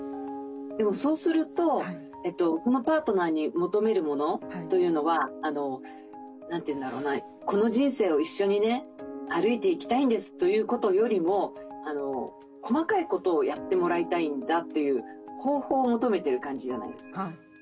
でもそうするとそのパートナーに求めるものというのは何て言うんだろうなこの人生を一緒にね歩いていきたいんですということよりも細かいことをやってもらいたいんだという方法を求めてる感じじゃないですか。